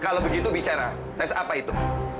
kalau begitu bicara terus apa itu